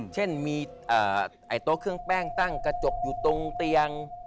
เช่นมีโต๊ะเครื่องแป้งตั้งกระจกอยู่ตรงเตียง